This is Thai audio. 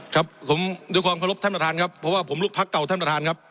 ครับผมด้วยความเคารพท่านประธานครับเพราะว่าผมลุกพักเก่าท่านประธานครับ